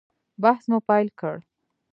بحث مو پیل کړ.